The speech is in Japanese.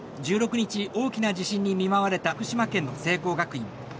１６日、大きな地震に見舞われた福島県の聖光学院。